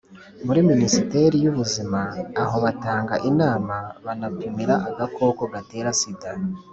muri minisiteri y’ubuzima, aho batanga inama banapimira agakoko gatera sida,